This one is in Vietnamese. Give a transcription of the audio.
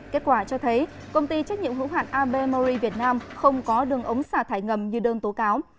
kết quả cho thấy công ty trách nhiệm hữu hạn ab mauri việt nam không có đường ống xả thải ngầm như đơn tố cáo